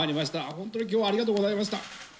本当にきょうはありがとうございました。